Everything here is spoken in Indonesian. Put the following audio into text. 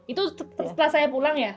itu setelah saya pulang ya